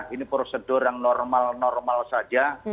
ini prosedur yang normal normal saja